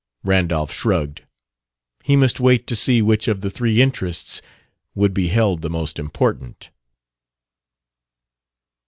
Randolph shrugged: he must wait to see which of the three interests would be held the most important.